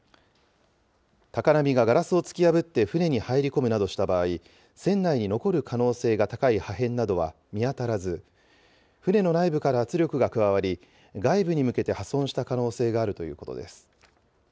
高波がガラスを突き破って船に入り込むなどした場合、船内に残る可能性が高い破片などは見当たらず、船の内部から圧力が加わり、外部に向けて破損した可能性があるということです。